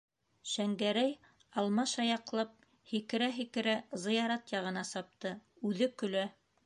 - Шәңгәрәй, алмаш аяҡлап һикерә- һикерә зыярат яғына сапты, үҙе көлә.